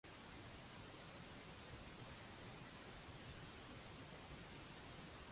Ix-xufier tal-karozza l-oħra ma ġarrab l-ebda ġrieħi.